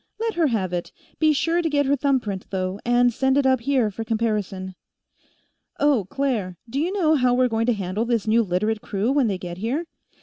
"Let her have it; be sure to get her thumbprint, though, and send it up here for comparison." "Oh, Claire; do you know how we're going to handle this new Literate crew, when they get here?"